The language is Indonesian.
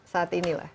saat ini lah